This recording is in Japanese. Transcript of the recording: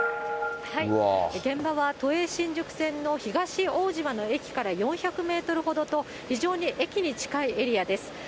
現場は都営新宿線の東大島の駅から４００メートルほどと、非常に駅に近いエリアです。